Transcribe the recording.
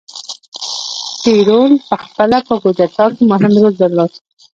پېرون په خپله په کودتا کې مهم رول درلود.